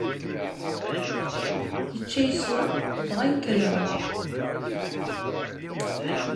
Ičča, iswa, dɣa yekker iṛuḥ.